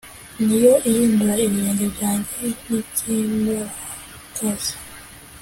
Ni yo ihindura ibirenge byanjye nk iby imparakazi